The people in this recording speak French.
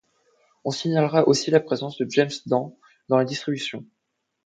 On signalera aussi la présence de James Dean dans la distribution.